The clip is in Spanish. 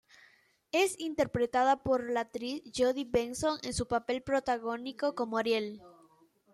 Es interpretada por la actriz Jodi Benson en su papel protagónico como Ariel.